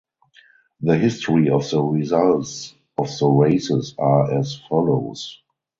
The history of the results of the races are as follows.